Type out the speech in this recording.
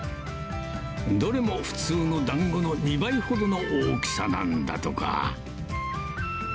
どれも普通のだんごの２倍ほどの大きさなんだとか。